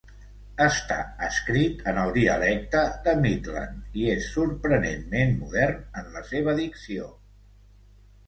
Està escrit en el dialecte de Midland, i és sorprenentment modern en la seva dicció.